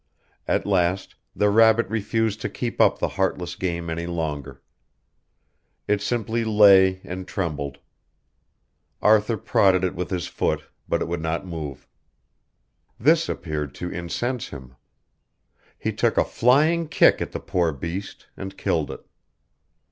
At last the rabbit refused to keep up the heartless game any longer. It simply lay and trembled. Arthur prodded it with his foot, but it would not move. This appeared to incense him. He took a flying kick at the poor beast and killed it.